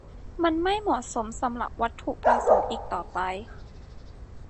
มันไม่เหมาะสมสำหรับวัตถุประสงค์อีกต่อไป